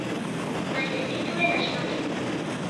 Baina ez zituen asmatu.